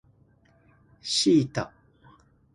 シータ